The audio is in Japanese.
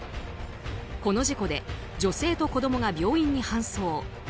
この事故で女性と子供が病院に搬送。